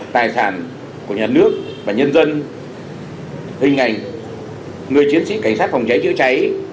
tài sản của nhà nước và nhân dân hình ảnh người chiến sĩ cảnh sát phòng cháy chữa cháy